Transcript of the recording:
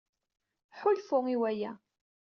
Ḥulfu i waya.